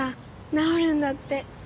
治るんだって。